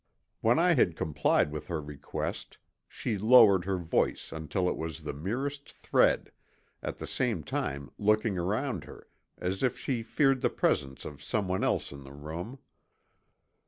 When I had complied with her request, she lowered her voice until it was the merest thread, at the same time looking around her as if she feared the presence of someone else in the room.